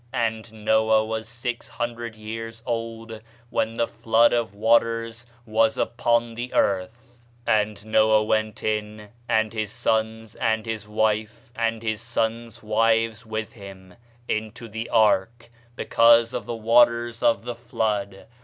And Noah was six hundred years old when the flood of waters was upon the earth. "And Noah went in, and his sons, and his wife, and his sons' wives with him, into the ark, because of the waters of the flood.